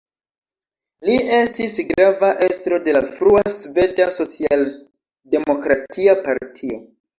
Li estis grava estro de la frua Sveda socialdemokratia partio.